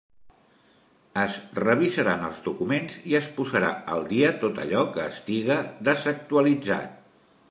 Es revisaran els documents i es posarà al dia tot allò que estiga desactualitzat.